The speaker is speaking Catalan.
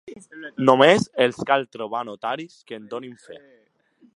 Només els cal trobar notaris que en donin fe.